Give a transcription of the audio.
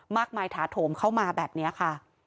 ถาโถมเข้ามาแบบนี้ค่ะ